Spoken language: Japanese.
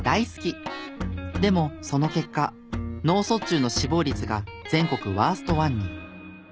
でもその結果脳卒中の死亡率が全国ワーストワンに。